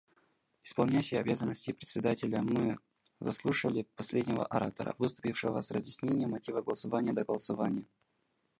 Исполняющий обязанности Председателя: Мы заслушали последнего оратора, выступившего с разъяснением мотивов голосования до голосования.